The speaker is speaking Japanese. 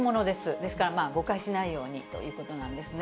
ですから誤解しないようにということなんですね。